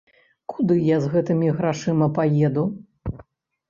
Куды я з гэтымі грашыма паеду?